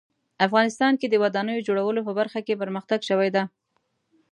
افغانستان کې د ودانیو جوړولو په برخه کې پرمختګ شوی ده